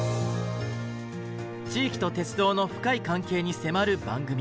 地域と鉄道の深い関係に迫る番組。